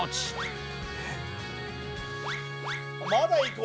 まだいく？